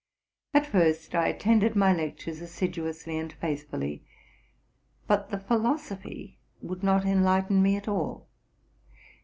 At first I attended my lectures assiduously and faithfully, but the philosophy would not enlighten me at all.